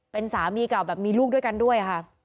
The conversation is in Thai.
เป็นสามีเก่าแบบมีลูกด้วยกันด้วยค่ะ